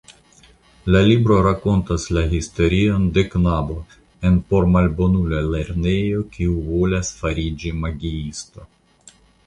La libro rakontas la historion de knabo en pormalbonula lernejo kiu volas fariĝi magiisto.